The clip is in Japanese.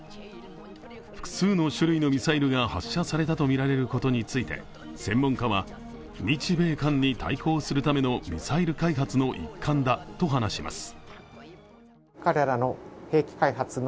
複数の種類のミサイルが発射されたとみられることについて、専門家は、日米韓に対抗するためのミサイル開発の一環だと話します。